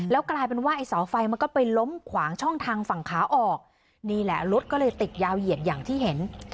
กลายเป็นว่าไอ้เสาไฟมันก็ไปล้มขวางช่องทางฝั่งขาออกนี่แหละรถก็เลยติดยาวเหยียดอย่างที่เห็น